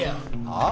ああ？